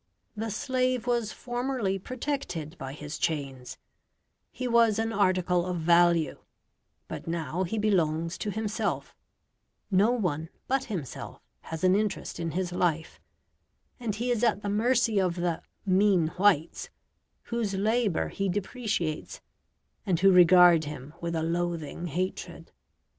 The slave was formerly protected by his chains; he was an article of value; but now he belongs to himself, no one but himself has an interest in his life; and he is at the mercy of the "mean whites," whose labour he depreciates, and who regard him with a loathing hatred.